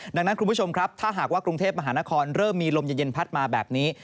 ดังนั้นคุณผู้ชมครับถ้าหากว่ากรุงเทพมหานครเริ่มมีลมเย็นพัดมาแบบนี้